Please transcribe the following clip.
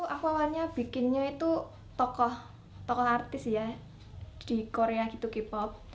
aku awalnya bikinnya itu tokoh artis ya di korea gitu k pop